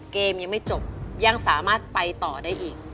เกมยังไม่จบยังสามารถไปต่อได้อีก